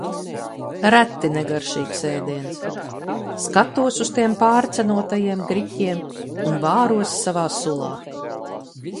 Reti negaršīgs ēdiens. Skatos uz tiem pārcenotajiem griķiem un vāros savā sulā.